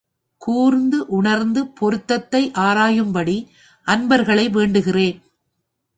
கூர்ந்து உணர்ந்து பொருத்தத்தை ஆராயும்படி அன்பர்களை வேண்டுகிறேன்.